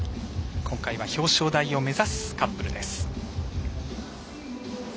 今回は表彰台を目指すカップル。